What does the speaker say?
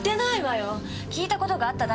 聞いた事があっただけ。